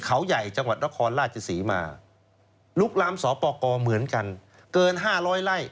เขาใหญ่จังหวัดนครราชศรีมาลุกล้ำสปกรเหมือนกันเกิน๕๐๐ไร่